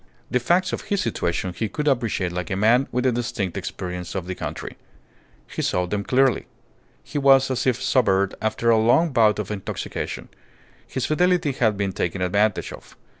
The facts of his situation he could appreciate like a man with a distinct experience of the country. He saw them clearly. He was as if sobered after a long bout of intoxication. His fidelity had been taken advantage of.